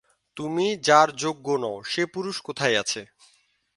তুমি যাঁর যোগ্য নও সে পুরুষ কোথায় আছে?